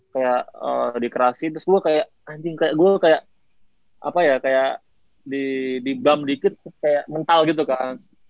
kayak dikasih terus gue kayak anjing kayak gue kayak apa ya kayak dibam dikit kayak mental gitu kan